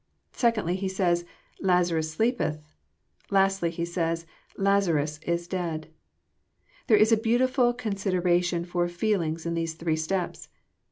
Secondly He said, Lazarus sleepeth." Lastly He says, *' Lazarus is dead." There is a beautifhl consideration for feelings in these three steps.